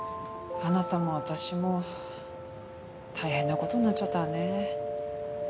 あなたも私も大変な事になっちゃったわね。